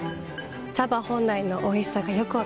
茶葉本来のおいしさがよく分かります。